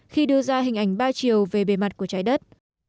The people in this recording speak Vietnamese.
khi đưa ra hình ảnh ba chiều về bề mặt của trái đất